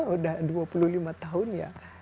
udah dua puluh lima tahun ya